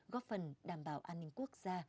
góp phần đảm bảo an ninh quốc gia